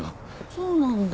そうなんだ。